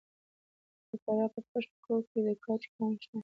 د فراه په پشت کوه کې د ګچ کان شته.